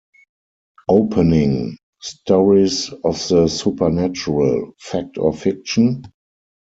Opening: Stories of the supernatural: fact or fiction?